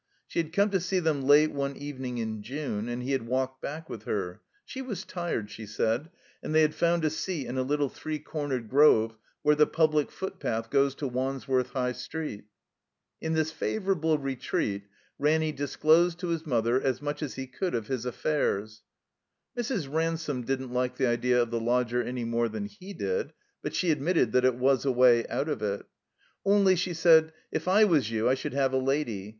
She had come to see them late one evening in Jtme, and he had walked back with her. She was tired, she said, and they had found a seat in a little three cornered grove where the public footpath goes to Wandsworth High Street. In this favorable retreat Ranny disclosed to his i8i THE COMBINED MAZE mother as much as he could of his affairs. Mrs. Ransome didn't like the idea of the lodger any more than he did, but she admitted that it was a way out of it. "Only," she said, "if I was you I should have a lady.